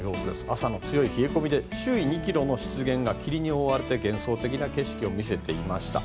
朝の強い冷え込みで周囲２ｋｍの湿原が霧に覆われて幻想的な景色を見せていました。